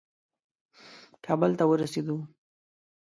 کابل ته ورسېدلو.